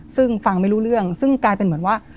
ซึ่งฟังไม่รู้เรื่องซึ่งกลายเป็นเหมือนว่า